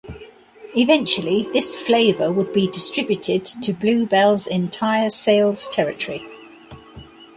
Eventually, this flavor would be distributed to Blue Bell's entire sales territory.